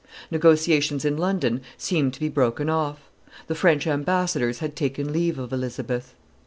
Negotiations in London seemed to be broken off; the French ambassadors had taken leave of Elizabeth.